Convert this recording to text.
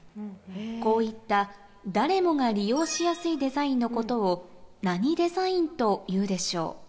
こういった誰もが利用しやすいデザインのことを、何デザインというでしょう。